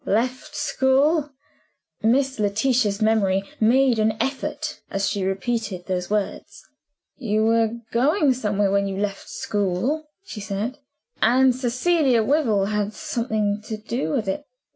"Left school?" Miss Letitia's memory made an effort, as she repeated those words. "You were going somewhere when you left school," she said, "and Cecilia Wyvil had something to do with it.